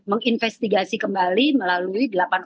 menginvestigasi kembali melalui